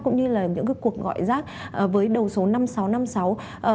cũng như là những cuộc gọi rác với đầu số năm nghìn sáu trăm năm mươi sáu